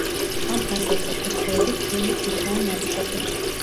ამ ფასადზე კუთხეები თლილი ქვითაა ნაწყობი.